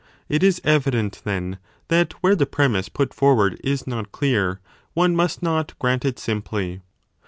It is evident, then, that where the premiss put forward is not clear, one must not grant it simply.